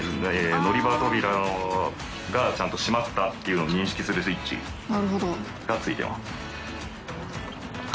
乗り場扉がちゃんと閉まったっていうのを認識するスイッチがついてます。